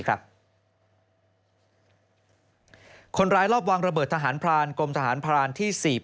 รอบวางระเบิดทหารพรานกรมทหารพรานที่๔๘